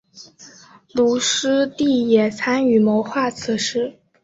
卢师谛也参与谋划此事。